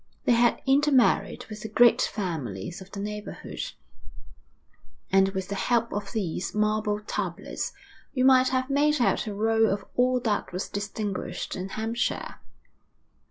They had intermarried with the great families of the neighbourhood, and with the help of these marble tablets you might have made out a roll of all that was distinguished in Hampshire.